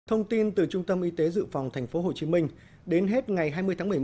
thông tin từ trung tâm y tế dự phòng tp hcm đến hết ngày hai mươi tháng một mươi một